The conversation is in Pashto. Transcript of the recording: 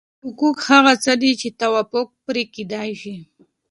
حقوق هغه څه دي چې توافق پرې کېدای شي.